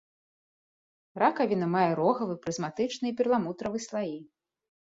Ракавіна мае рогавы, прызматычны і перламутравы слаі.